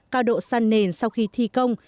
cao độ săn nền sau khi thi công